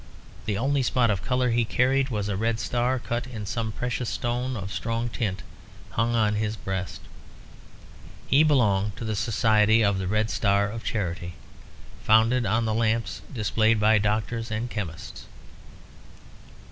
The only spot of colour he carried was a red star cut in some precious stone of strong tint, hung on his breast. He belonged to the Society of the Red Star of Charity, founded on the lamps displayed by doctors and chemists.